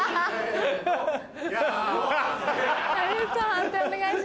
判定お願いします。